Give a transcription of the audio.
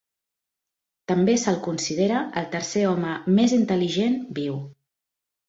També se'l considera el tercer home més intel·ligent viu.